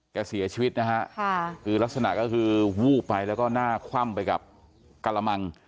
เสียชีวิตนะฮะค่ะคือลักษณะก็คือวูบไปแล้วก็หน้าคว่ำไปกับกระมัง